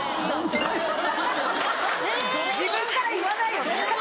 自分から言わないよね。